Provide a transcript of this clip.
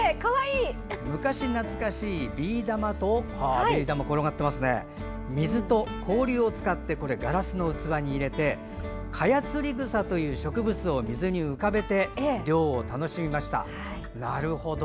昔懐かしいビー玉と水と氷を使ってガラスの器に入れてカヤツリグサという植物を水に浮かべて涼を楽しみました。